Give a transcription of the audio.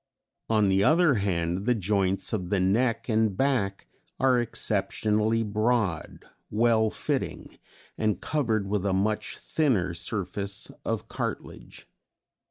On the other hand, the joints of the neck and back are exceptionally broad, well fitting and covered with a much thinner surface of cartilage.